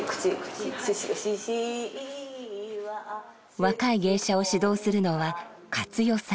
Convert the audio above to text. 若い芸者を指導するのは加津代さん。